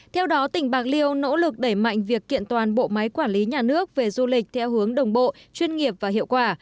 theo đó tỉnh bạc liêu nỗ lực đẩy mạnh việc kiện toàn bộ máy quản lý nhà nước về du lịch theo hướng đồng bộ chuyên nghiệp và hiệu quả